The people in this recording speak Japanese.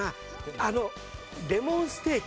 あのレモンステーキ。